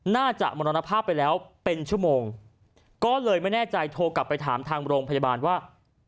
มรณภาพไปแล้วเป็นชั่วโมงก็เลยไม่แน่ใจโทรกลับไปถามทางโรงพยาบาลว่า